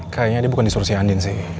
kayaknya dia bukan disuruh si andien sih